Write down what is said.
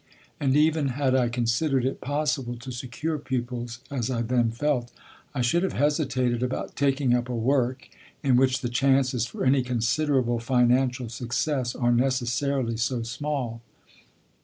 And even had I considered it possible to secure pupils, as I then felt, I should have hesitated about taking up a work in which the chances for any considerable financial success are necessarily so small.